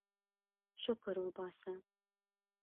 شکر وباسه.